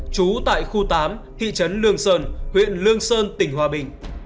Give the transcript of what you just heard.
trú tại khu tám thị trấn lương sơn hà nội hà nội